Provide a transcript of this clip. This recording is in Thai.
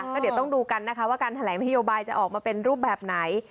ก็เดี๋ยวต้องดูกันนะคะว่าการแถลงนโยบายจะออกมาเป็นรูปแบบไหน